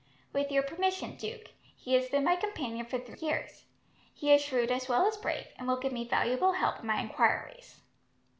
"With your permission, Duke. He has been my companion for three years. He is shrewd as well as brave, and will give me valuable help in my enquiries."